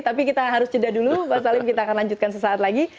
tapi kita harus jeda dulu mas salim kita akan lanjutkan sesaat lagi